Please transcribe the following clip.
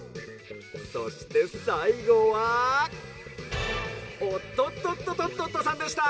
そしてさいごはおっとっとっととっとっとさんでした。